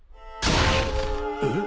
えっ？